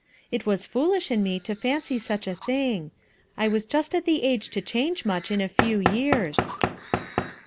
It was foolish in me to fancy such a thing. I was just at the age to change much in a few years."